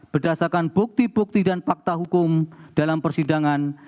berdasarkan bukti bukti dan fakta hukum dalam persidangan